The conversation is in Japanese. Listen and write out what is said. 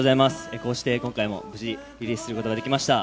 こうして今回も無事リリースすることができました。